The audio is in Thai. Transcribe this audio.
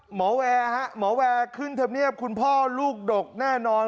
หมอแวครับหมอแวขึ้นเทปเนียบคุณพ่อลูกดกแน่นอน